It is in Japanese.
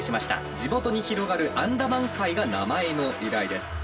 地元に広がるアンダマン海が名前の由来です。